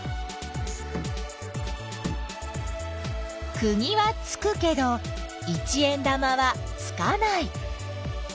くぎはつくけど一円玉はつかない。